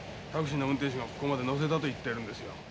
タクシーの運転手がここまで乗せたと言ってるんですよ。